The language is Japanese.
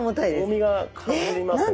重みが変わりますね。